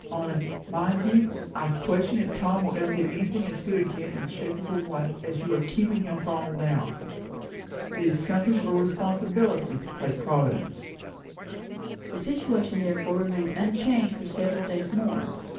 Only, mind you, I question if Tom will ever get anything as good again in the shape of a wife, as you are keeping him from now. It is something of a responsibility to play Providence." The situation therefore remained unchanged for several days more. Mrs.